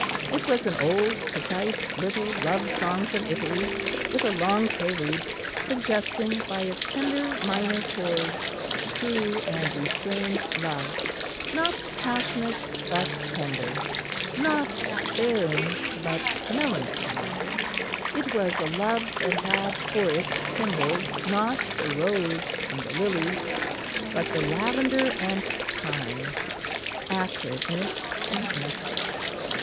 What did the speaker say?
It was an old precise little love song from Italy, with a long prelude, suggesting by its tender minor chords true and restrained love, not passionate but tender, not despairing but melancholy; it was a love that had for its symbols not the rose and the lily, but the lavender and thyme acrid in its sweetness.